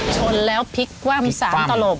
ชนแล้วพลิกว่ามีสามตลบ